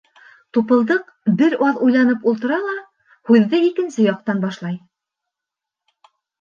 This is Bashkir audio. Тупылдыҡ бер аҙ уйланып ултыра ла һүҙҙе икенсе яҡтан башлай: